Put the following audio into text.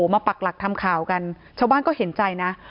ปักหลักทำข่าวกันชาวบ้านก็เห็นใจนะ